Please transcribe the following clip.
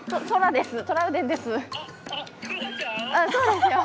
そうですよ！